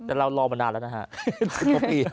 แต่เรารอมานานแล้วนะฮะ๑๐กว่าปี